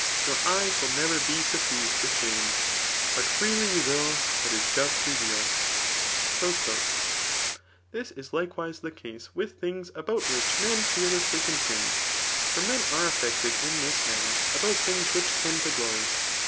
Your syei will never be suffiis'd with $bsaaff^ But freely you will what is just reveaL This is likewise the case with things about which men fearlessly contend ; for men are affected in this manner about things which tend to glory.